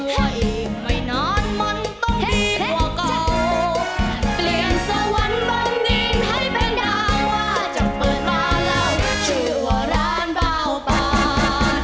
เพราะอีกไม่นานมันต้องดีกว่าเก่าเปลี่ยนสวรรค์บางดินให้เป็นดังว่าจับเปิดมาแล้วชื่อว่าร้านเบาปาด